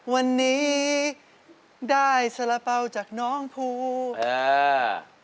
วันนี้ได้สระเปร่าจากน้องภูมิ